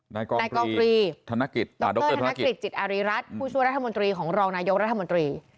นายกองตรีธนกธนกฤษจิตอารีรัฐผู้ช่วยรัฐมนตรีของรองนายกรัฐมนตรี